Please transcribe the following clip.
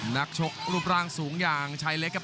นักชกรูปร่างสูงอย่างชายเล็กครับ